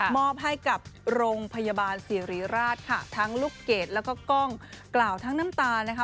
มอบให้กับโรงพยาบาลสิริราชค่ะทั้งลูกเกดแล้วก็กล้องกล่าวทั้งน้ำตานะคะ